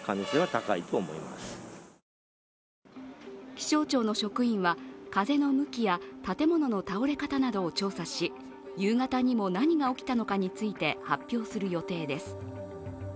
気象庁の職員は、風の向きや建物の倒れ方などを調査し夕方にも、何が起きたのかについて発表する予定です。